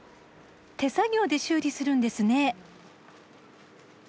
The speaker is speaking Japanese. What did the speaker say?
手作業で修理するんですね。